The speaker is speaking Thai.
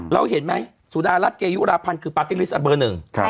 เราเห็นไหมสุดารัฐเกยุราพันธ์คือปาร์ตี้ลิสต์เบอร์หนึ่ง